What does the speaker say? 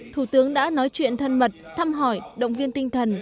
thủ tướng đã nói chuyện thân mật thăm hỏi động viên tinh thần